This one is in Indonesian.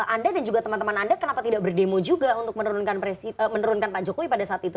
anda dan juga teman teman anda kenapa tidak berdemo juga untuk menurunkan pak jokowi pada saat itu